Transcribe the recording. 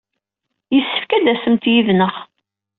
Yessefk ad d-tasemt yid-neɣ.